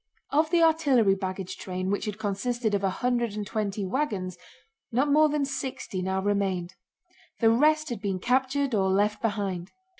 Of the artillery baggage train which had consisted of a hundred and twenty wagons, not more than sixty now remained; the rest had been captured or left behind.